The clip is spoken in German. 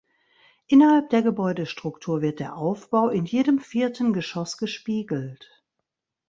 Innerhalb der Gebäudestruktur wird der Aufbau in jedem vierten Geschoss gespiegelt.